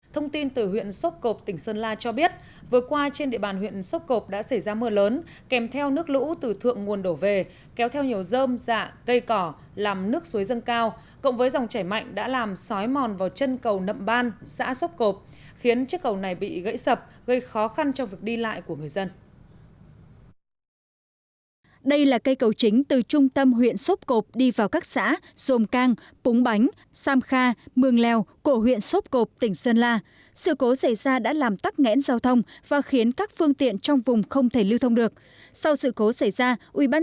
thông tin từ huyện sốc cộp tỉnh sơn la cho biết vừa qua trên địa bàn huyện sốc cộp đã xảy ra mưa lớn kèm theo nước lũ từ thượng nguồn đổ về kéo theo nhiều dơm dạ cây cỏ làm nước suối dâng cao cộng với dòng chảy mạnh đã làm sói mòn vào chân cầu nậm ban xã sốc cộp khiến chiếc cầu này bị gãy sập gây khó khăn cho việc đi lại của người dân